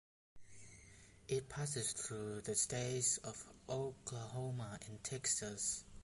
It passes through the states of Oklahoma and Texas.